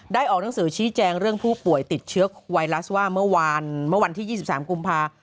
ออกหนังสือชี้แจงเรื่องผู้ป่วยติดเชื้อไวรัสว่าเมื่อวานเมื่อวันที่๒๓กุมภา